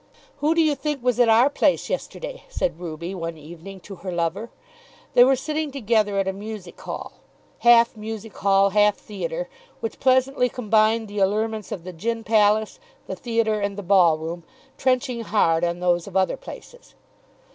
"Who do you think was at our place yesterday?" said Ruby one evening to her lover. They were sitting together at a music hall, half music hall, half theatre, which pleasantly combined the allurements of the gin palace, the theatre, and the ball room, trenching hard on those of other places.